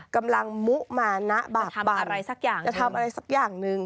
กำลังมุมานะบับบันจะทำอะไรสักอย่างหนึ่ง